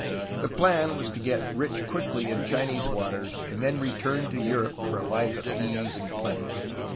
The plan was to get rich quickly in Chinese waters and then return to Europe for a life of ease and plenty.